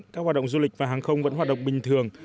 các hoạt động du lịch và hàng không vẫn hoạt động bình thường